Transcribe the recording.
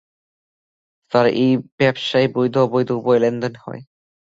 Sir, এই ব্যবসায়, বৈধ এবং অবৈধ উভয় লেনদেন হয়।